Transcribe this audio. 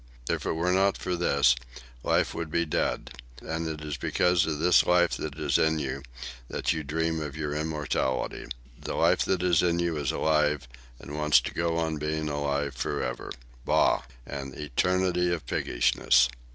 If it were not for this, life would be dead. It is because of this life that is in you that you dream of your immortality. The life that is in you is alive and wants to go on being alive for ever. Bah! An eternity of piggishness!"